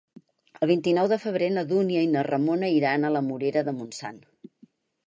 El vint-i-nou de febrer na Dúnia i na Ramona iran a la Morera de Montsant.